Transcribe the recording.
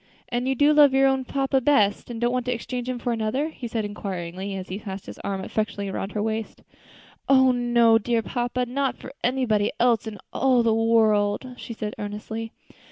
"And you do love your own papa best, and don't want to exchange him for another?" he said, inquiringly, as he passed his arm affectionately around her waist. "Oh! no, dear papa, not for anybody else in all the world," she said earnestly.